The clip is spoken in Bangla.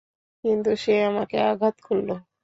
কিন্তু সে আমাকে আঘাত করল।